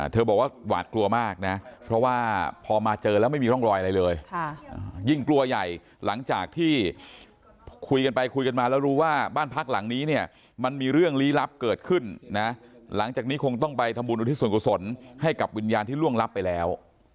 บอกว่าหวาดกลัวมากนะเพราะว่าพอมาเจอแล้วไม่มีร่องรอยอะไรเลยยิ่งกลัวใหญ่หลังจากที่คุยกันไปคุยกันมาแล้วรู้ว่าบ้านพักหลังนี้เนี่ยมันมีเรื่องลี้ลับเกิดขึ้นนะหลังจากนี้คงต้องไปทำบุญอุทิศส่วนกุศลให้กับวิญญาณที่ล่วงลับไปแล้ว